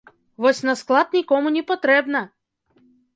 Вось на склад нікому не патрэбна!